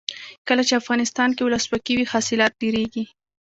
کله چې افغانستان کې ولسواکي وي حاصلات ډیریږي.